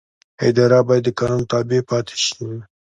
اداره باید د قانون تابع پاتې شي.